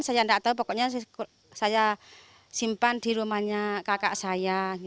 saya tidak tahu pokoknya saya simpan di rumahnya kakak saya